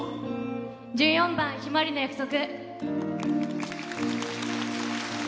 １４番「ひまわりの約束」。